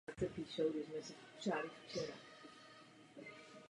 Všichni velmi dobře víme, co nadnárodní společnosti dělají.